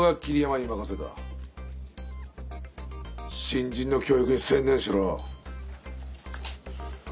新人の教育に専念しろ。